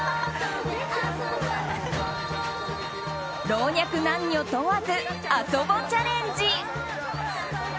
老若男女問わず「ＡＳＯＢＯ」チャレンジ。